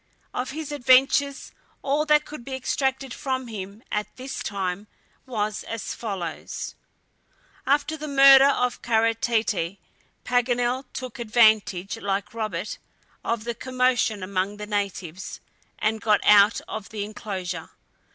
Of his adventures all that could be extracted from him at this time was as follows: After the murder of Kara Tete, Paganel took advantage, like Robert, of the commotion among the natives, and got out of the inclosure.